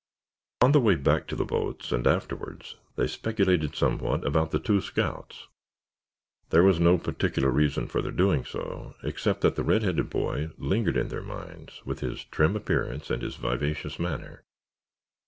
On the way back to the boats and afterwards they speculated somewhat about the two scouts. There was no particular reason for their doing so except that the red headed boy lingered in their minds with his trim appearance and his vivacious manner.